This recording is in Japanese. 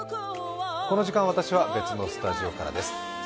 この時間、私は別のスタジオからです。